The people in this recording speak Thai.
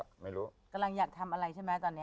กำลังอยากทำอะไรใช่ไหมตอนนี้